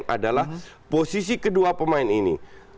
karena posisi kedua pemain ini